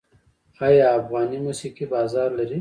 آیا افغاني موسیقي بازار لري؟